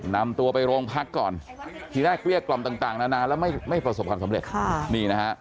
นำตัวไปโรงพักก่อนทีแรกเกลี้ยกล่อมต่างนานาแล้วไม่ประสบความสำเร็จนี่นะฮะ